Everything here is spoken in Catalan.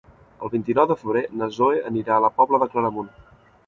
El vint-i-nou de febrer na Zoè anirà a la Pobla de Claramunt.